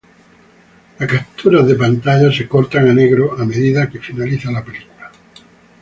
Las capturas de pantalla se cortan a negro a medida que finaliza la película.